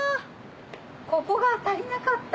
ここが足りなかった。